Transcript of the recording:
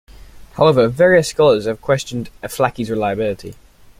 However, various scholars have questioned Aflaki's reliability.